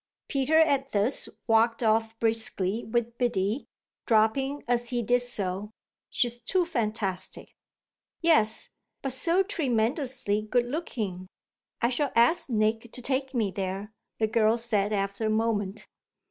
Peter, at this, walked off briskly with Biddy, dropping as he did so: "She's too fantastic!" "Yes, but so tremendously good looking. I shall ask Nick to take me there," the girl said after a moment.